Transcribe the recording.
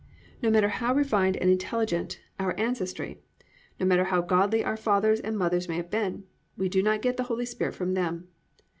No matter how refined and intelligent our ancestry, no matter how godly our fathers and mothers may have been, we do not get the Holy Spirit from them.